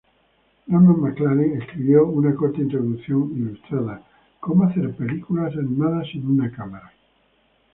Norman McLaren escribió una corta introducción ilustrada "¿Cómo hacer películas animadas sin una cámara?